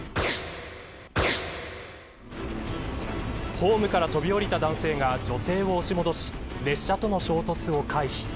ホームから飛び降りた男性が女性を押し戻し列車との衝突を回避。